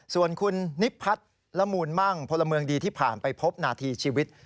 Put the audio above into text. ส่วนคุณนิพัฒน์ละมูลมั่งพลเมืองดีที่ผ่านไปพบนาทีชีวิต